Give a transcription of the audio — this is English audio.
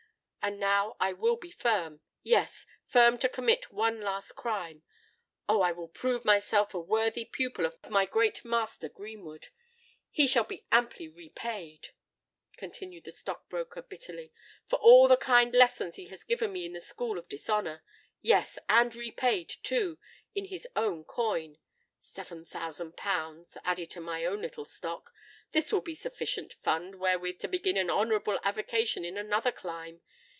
And now I will be firm—yes, firm to commit one last crime! Oh! I will prove myself a worthy pupil of my great master Greenwood! He shall be amply repaid," continued the stock broker, bitterly, "for all the kind lessons he has given me in the school of dishonour—yes, and repaid, too, in his own coin. Seven thousand pounds—added to my own little stock,—this will be a sufficient fund wherewith to begin an honourable avocation in another clime.